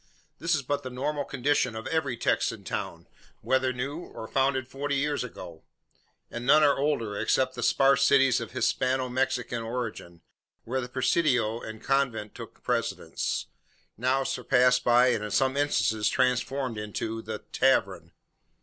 This is but the normal condition of every Texan town whether new or founded forty years ago; and none are older, except the sparse cities of Hispano Mexican origin where the presidio and convent took precedence, now surpassed by, and in some instances transformed into, the "tavern."